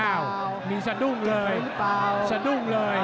เจ็บเลยหรือเปล่ามีซะดุ้งเลยสะดุ้งเลย